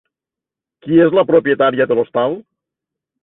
Qui és la propietària de l'hostal?